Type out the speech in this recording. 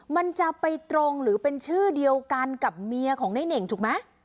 มันจะไปตรงหรือเป็นชื่อเดียวกันกับเมียของในเน่งถูกไหม